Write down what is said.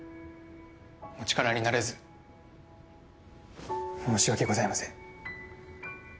お力になれず申し訳ございません